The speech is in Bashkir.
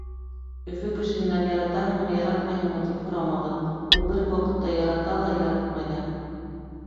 Өфө кешеһенән яратаһыңмы, яратмайһыңмы, тип һорамағыҙ. Ул бер үк ваҡытта ярата ла, яратмай ҙа.